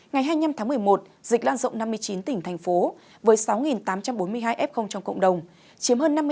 ngày hai mươi năm tháng một mươi một dịch lan rộng năm mươi chín tỉnh thành phố với sáu tám trăm bốn mươi hai f trong cộng đồng chiếm hơn năm mươi năm tổng số ca mắc